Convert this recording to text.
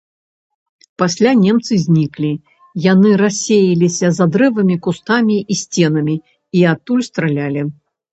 Пасля немцы зніклі, яны рассеяліся за дрэвамі, кустамі і сценамі і адтуль стралялі.